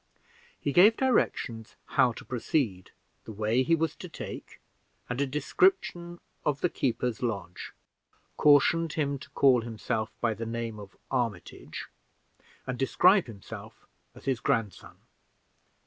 He gave directions how to proceed, the way he was to take, and a description of the keeper's lodge; cautioned him to call himself by the name of Armitage, and describe himself as his grandson.